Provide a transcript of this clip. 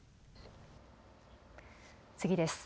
次です。